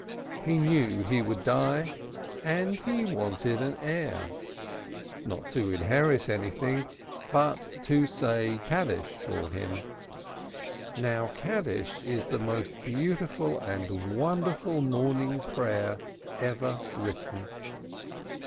He knew he would die and he wanted an heir. Not to inherit anything, but to say Kaddish for him. Kaddish is the most beautiful and wonderful mourning prayer ever written.